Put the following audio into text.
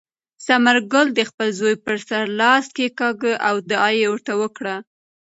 ثمرګل د خپل زوی په سر لاس کېکاږه او دعا یې ورته وکړه.